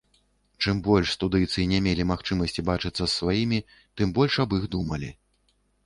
Чым больш студыйцы не мелі магчымасці бачыцца з сваімі, тым больш аб іх думалі.